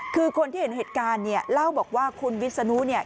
คือคนที่เห็นเหตุการณ์เนี่ยเล่าบอกว่าคุณวิศนุเนี่ย